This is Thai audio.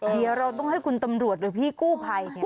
เดี๋ยวเราต้องให้คุณตำรวจหรือพี่กู้ภัยเนี่ย